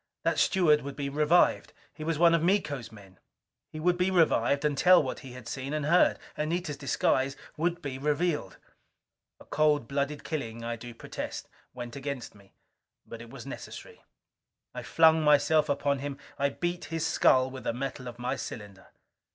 That steward would be revived. He was one of Miko's men. He would be revived and tell what he had seen and heard. Anita's disguise would be revealed. A cold blooded killing, I do protest, went against me. But it was necessary. I flung myself upon him. I beat his skull with the metal of my cylinder.